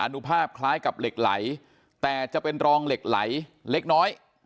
นุภาพคล้ายกับเหล็กไหลแต่จะเป็นรองเหล็กไหลเล็กน้อย